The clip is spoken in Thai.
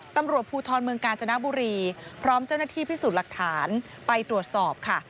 ตำรวจภูทรเมืองกาญจนบุรีพร้อมเจ้าหน้าที่พิสูจน์หลักฐานไปตรวจสอบค่ะ